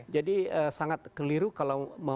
jadi sangat keliru kalau